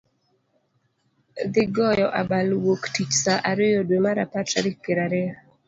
thi goyo abal Wuok Tich saa ariyo, dwe mar apar tarik piero ariyo.